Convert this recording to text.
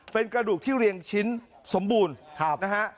เป็นกระดูกที่เรียงชิ้นสมบูรณ์นะฮะ